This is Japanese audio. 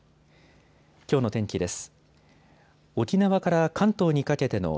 きょうの天気です。